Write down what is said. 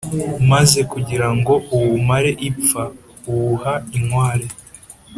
maze kugira ngo uwumare ipfa, uwuha inkware,